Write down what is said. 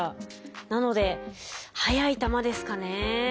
なので速い球ですかね。